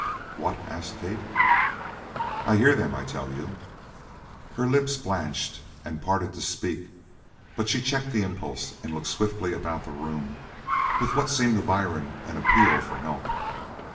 "What?" asked Kate. "I hear them, I tell you." Her lips blanched, and parted to speak, but she checked the impulse and looked swiftly about the room with what seemed to Byrne an appeal for help.